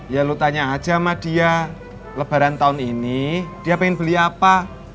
ya lu tanya aja sama dia lebaran tahun ini dia pengen beli apa